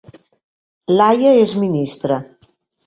Laia és ministra